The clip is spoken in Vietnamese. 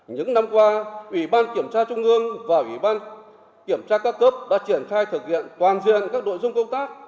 những năm qua ủy ban kiểm tra trung ương và ủy ban kiểm tra các cấp đã triển khai thực hiện toàn diện các đội dung công tác